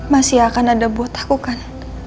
masih akan ada buat aku kan